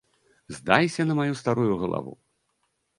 Здайся на маю старую галаву!